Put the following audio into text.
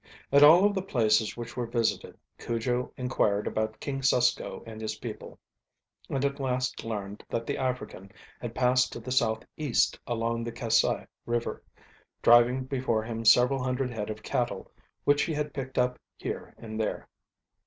At all of the places which were visited Cujo inquired about King Susko and his people, and at last learned that the African had passed to the southeast along the Kassai River, driving before him several hundred head of cattle which he had picked up here and there.